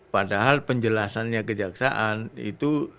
padahal penjelasannya kejaksaan itu